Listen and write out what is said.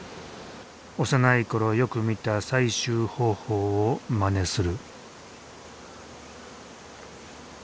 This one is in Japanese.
幼いころよく見た採集方法をまねする。